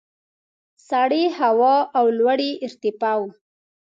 سړې هوا او لوړې ارتفاع وو.